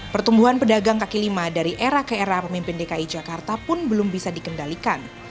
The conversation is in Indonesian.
pertumbuhan pedagang kaki lima dari era ke era pemimpin dki jakarta pun belum bisa dikendalikan